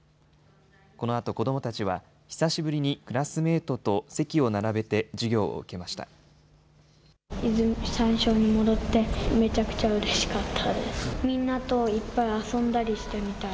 このあと子どもたちは、久しぶりにクラスメートと席を並べて授業を受けました。